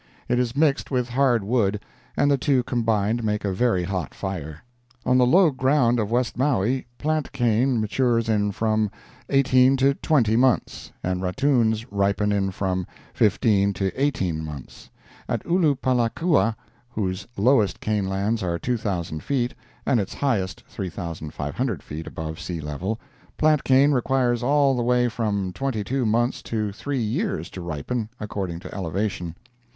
It is mixed with hard wood, and the two combined make a very hot fire. On the low ground of West Maui plant cane matures in from eighteen to twenty months, and ratoons ripen in from fifteen to eighteen months. At Ulupalakua, whose lowest cane lands are 2,000 feet, and its highest 3,500 feet, above sea level, plant cane requires all the way from twenty two months to three years to ripen, according to elevation.